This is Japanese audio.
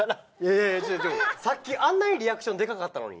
いやいやさっきあんなにリアクションでかかったのに。